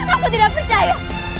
aku tidak percaya